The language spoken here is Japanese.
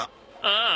ああ。